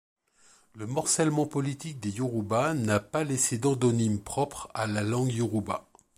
Le morcellement politique des Yorouba n'a pas laissé d'endonyme propre à la langue yorouba.